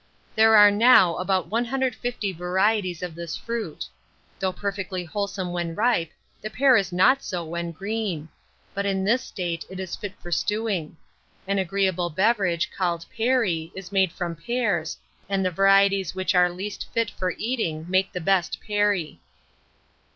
There are now about 150 varieties of this fruit. Though perfectly wholesome when ripe, the pear is not so when green; but in this state it is fit for stewing. An agreeable beverage, called perry, is made from pears, and the varieties which are least fit for eating make the best perry.